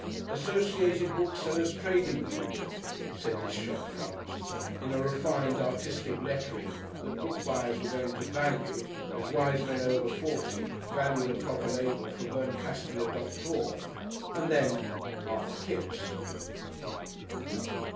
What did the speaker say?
"Associated Booksellers' Trading Union," said this shop front, in a refined, artistic lettering that bookbuyers were going to value, as wise men over forty value the proper label for Berncasteler Doctor, and then, "Arthur Kipps."